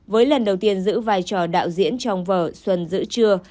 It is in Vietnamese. với lần đầu tiên giữ vai trò đạo diễn trong vở xuân giữ trưa